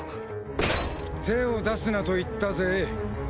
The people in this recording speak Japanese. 手を出すなと言ったぜ。